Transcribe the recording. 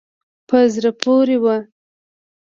په زړه پورې وه.